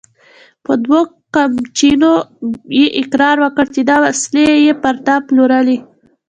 په دوو قمچينو يې اقرار وکړ چې دا وسلې يې پر تا پلورلې!